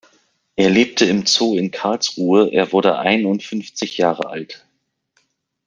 Er lebte im Zoo in Karlsruhe, er wurde einundfünfzig Jahre alt.